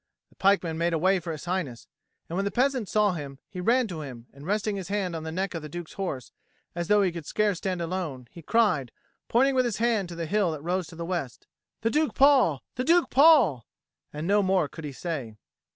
The pikemen made a way for His Highness; and when the peasant saw him, he ran to him, and resting his hand on the neck of the Duke's horse, as though he could scarce stand alone, he cried, pointing with his hand to the hill that rose to the west, "The Duke Paul, the Duke Paul!" And no more could he say.